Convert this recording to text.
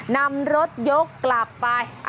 นำรถยกกลับไป